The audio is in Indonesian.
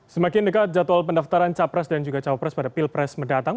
semakin dekat jadwal pendaftaran capres dan juga cawapres pada pilpres mendatang